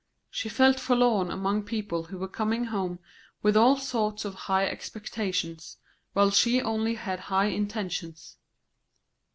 She felt forlorn among people who were coming home with all sorts of high expectations, while she only had high intentions.